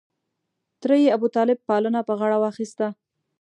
تره یې ابوطالب پالنه په غاړه واخسته.